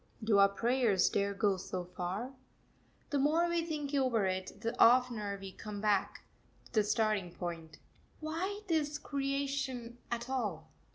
Do our prayers dare go so far? The more we think over it, the oftener we come hack to the starting point Why this creation at all?